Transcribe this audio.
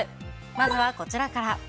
まずはこちらから。